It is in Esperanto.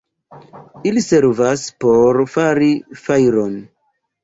Ili servas por fari fajron.